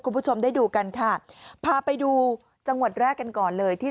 คุณผู้ชมได้ดูกันค่ะพาไปดูจังหวัดแรกกันก่อนเลยที่